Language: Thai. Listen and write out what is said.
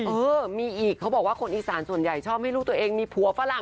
เออมีอีกเขาบอกว่าคนอีสานส่วนใหญ่ชอบให้ลูกตัวเองมีผัวฝรั่ง